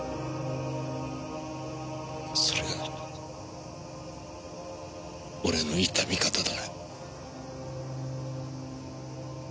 それが俺の悼み方だ。